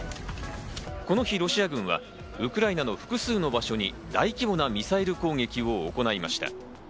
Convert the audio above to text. この日、ロシア軍はウクライナの複数の場所に大規模なミサイルの攻撃を行いました。